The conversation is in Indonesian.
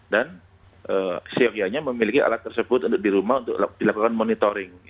dan siokianya memiliki alat tersebut di rumah untuk dilakukan monitoring